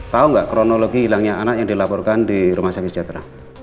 tahu nggak kronologi hilangnya anak yang dilaporkan di rumah sakit sejahtera